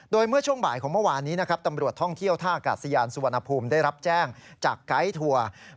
โดยเมื่อช่วงบ่ายของเมื่อวานนี้นะครับตำรวจท่องเที่ยวท่าอากาศยานสุวรรณภูมิได้รับแจ้งจากไกด์ทัวร์